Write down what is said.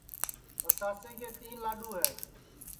پچاسیں کے تیں لاڈؔو ہے